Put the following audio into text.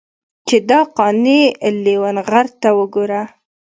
چې دا قانع لېونغرته وګوره.